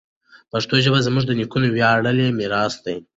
پښتو ژبه زموږ د نیکونو ویاړلی میراث ده.